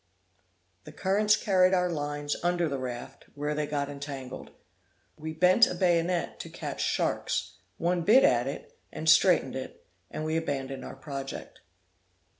The currents carried our lines under the raft, where they got entangled. We bent a bayonet to catch sharks, one bit at it, and straitened it, and we abandoned our project.